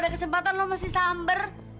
kesempatan lo mesti samber